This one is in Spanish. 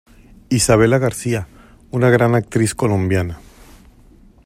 Isabella García, una gran actriz Colombiana.